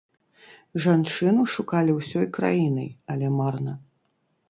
Жанчыну шукалі ўсёй краінай, але марна.